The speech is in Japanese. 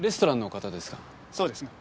そうですが。